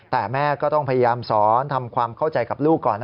แต่แม่ก็ต้องพยายามสอนทำความเข้าใจกับลูกก่อน